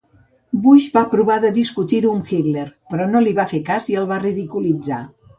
Busch va provar de discutir-ho amb Hitler, però no li va fer cas i el va ridiculitzar.